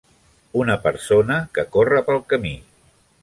Una persona que corre pel camí